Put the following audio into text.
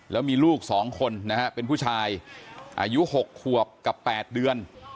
แล้วมีลูก๒คนนะฮะเป็นผู้ชายอายุ๖ขวบกับ๘เดือน